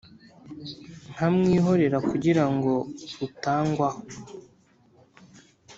Nkamwihorera kugira ngo utangwaho